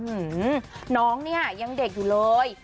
อืมน้องเนี่ยยังเด็กอยู่เลย